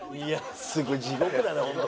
すごい地獄だな本当。